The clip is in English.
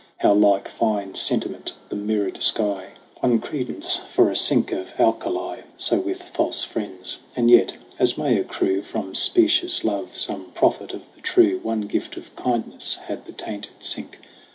How like fine sentiment the mirrored sky THE CRAWL 43 Won credence for a sink of alkali ! So with false friends. And yet, as may accrue From specious love some profit of the true, One gift of kindness had the tainted sink.